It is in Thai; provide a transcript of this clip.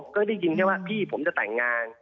ก็ได้ยินแค่ว่าพี่ผมจะแต่งงาน